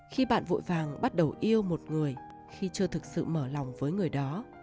khi bạn vội vàng bắt đầu yêu một người khi chưa thực sự mở lòng với người đó